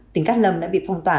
tỉnh cát lâm đã bị phong tỏa